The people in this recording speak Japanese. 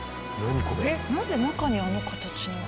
なんで中にあの形なの？